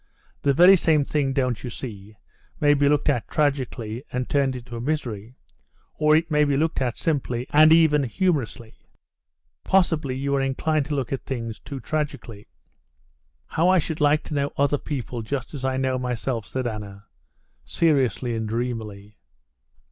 The very same thing, don't you see, may be looked at tragically, and turned into a misery, or it may be looked at simply and even humorously. Possibly you are inclined to look at things too tragically." "How I should like to know other people just as I know myself!" said Anna, seriously and dreamily.